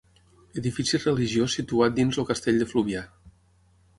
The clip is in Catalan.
Edifici religiós situat dins el castell de Fluvià.